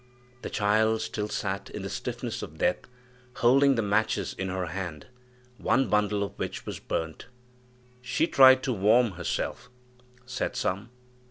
The child still sat, in the stiffness of death, holding the matches in her hand, one bundle of which was burnt. "She tried to warm herself," said some.